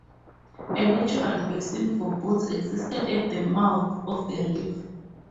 A natural basin for boats existed at the mouth of the river.